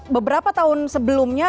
beberapa tahun sebelumnya